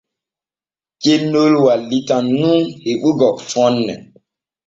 Cennol wallitan nun heɓugo fonne.